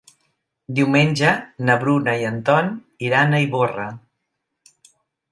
Diumenge na Bruna i en Ton iran a Ivorra.